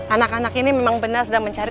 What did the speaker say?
anak anak ini memang benar sedang mencari